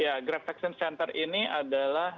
ya grab vaksin center ini adalah